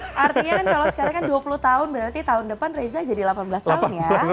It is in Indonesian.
artinya kan kalau sekarang kan dua puluh tahun berarti tahun depan reza jadi delapan belas tahun ya